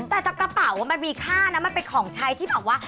แต่จากกระเป๋ามันมีค่านะมันเป็นของใช้ที่แบบว่า